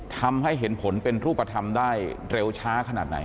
ทำให้เห็นผลเป็นรูปธรรมได้เร็วช้าขนาดไหน